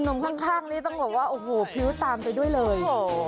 หนุ่มข้างนี่ต้องบอกว่าโอ้โหภิ้วตามไปด้วยเลย